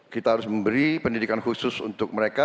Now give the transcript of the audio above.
kita harus memberi pendidikan khusus untuk mereka